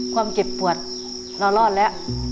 ความเจ็บปวดเรารอดแล้ว